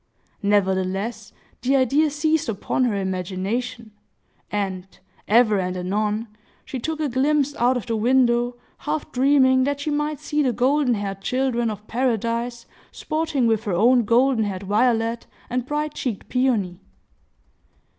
Nevertheless, the idea seized upon her imagination; and, ever and anon, she took a glimpse out of the window, half dreaming that she might see the golden haired children of paradise sporting with her own golden haired Violet and bright cheeked Peony.